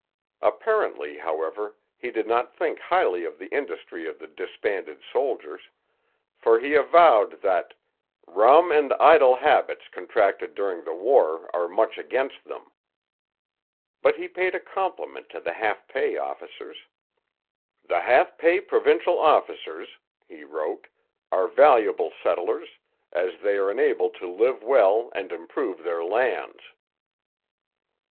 Apparently, however, he did not think highly of the industry of the disbanded soldiers, for he avowed that 'rum and idle habits contracted during the war are much against them.' But he paid a compliment to the half pay officers. 'The half pay provincial officers,' he wrote, 'are valuable settlers, as they are enabled to live well and improve their lands.'